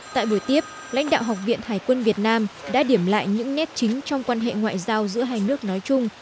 tại buổi tiếp lãnh đạo học viện hải quân việt nam đã điểm lại những nét chính trong quan hệ ngoại giao giữa hai nước nói chung